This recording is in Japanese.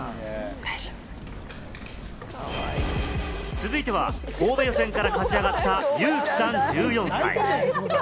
続いては、神戸予選から勝ち上がったユウキさん、１４歳。